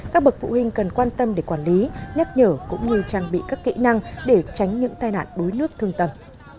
các bậc phụ huynh cần quan tâm để quản lý nhắc nhở cũng như trang bị các kỹ năng để tránh những tai nạn đuối nước thương tâm